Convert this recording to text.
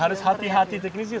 harus hati hati teknisnya